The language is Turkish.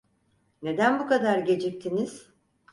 Neden bu kadar geciktiniz?